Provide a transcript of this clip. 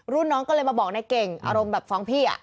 รุ่นน้องก็เลยมาบอกในเก่งอารมณ์แบบฟ้องพี่